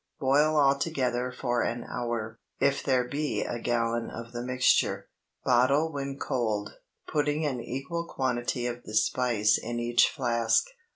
Boil all together for an hour, if there be a gallon of the mixture. Bottle when cold, putting an equal quantity of the spice in each flask.